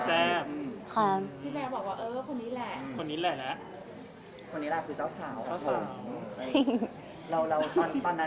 พี่แบร์บอกว่าเออคนนี้แหละ